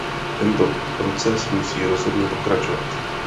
Tento proces musí rozhodně pokračovat.